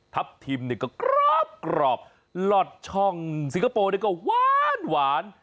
ทับทิมก็กรอบหลอดช่องสิงคโปร์ก็หวาน